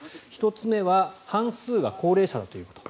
１つ目は半数が高齢者だということ。